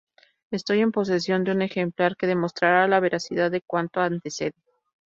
Estoy en posesión de un ejemplar que demostrará la veracidad de cuanto antecede.